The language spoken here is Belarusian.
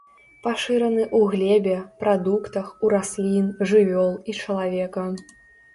Пашыраны ў глебе, прадуктах, у раслін, жывёл і чалавека.